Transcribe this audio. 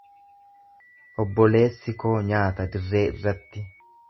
Obboleessi koo nyaata dirree irratti.